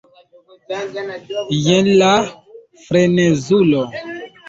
jen la frenezulo!